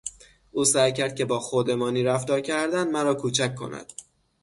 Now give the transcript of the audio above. او سعی کرد که با خودمانی رفتار کردن مراکوچک کند.